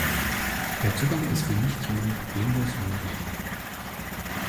Der Zugang ist für Nichtjuden problemlos möglich.